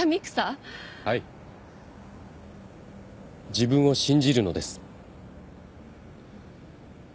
自分を信じるのです。